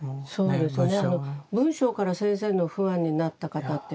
そうですね。